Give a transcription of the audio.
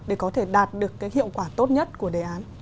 để có thể đạt được cái hiệu quả tốt nhất của đề án